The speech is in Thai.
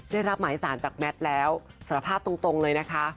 ได้รับหมายสารจากแมทแล้วสารภาพตรงเลยนะคะ